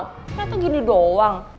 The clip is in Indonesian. kayaknya tuh gini doang